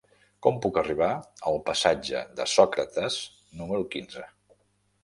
Com puc arribar al passatge de Sòcrates número quinze?